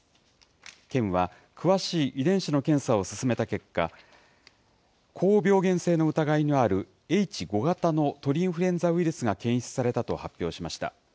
県は、詳しい遺伝子の検査を進めた結果、高病原性の疑いのあるＨ５型の鳥インフルエンザウイルスが検出されたと発表しました。